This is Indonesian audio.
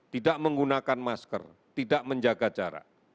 tidak menggunakan masker tidak menjaga jarak